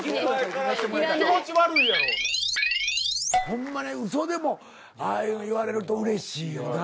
ほんまにうそでもああ言われるとうれしいよな。